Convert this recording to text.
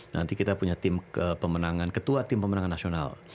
nanti kita punya tim pemenangan ketua tim pemenangan nasional